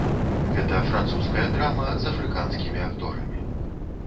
Гэта французская драма з афрыканскімі акторамі.